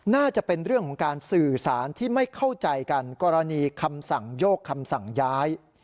น่าจะเป็นเรื่องของการสื่อสารที่ไม่เข้าใจกันกรณีคำสั่งโยกคำสั่งย้าย